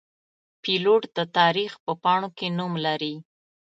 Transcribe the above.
پیلوټ د تاریخ په پاڼو کې نوم لري.